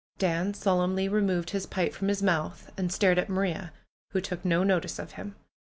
Dan solemnly removed his pipe from his mouth and stared at Maria, who took no notice of him.